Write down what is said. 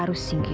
apun itu sendiri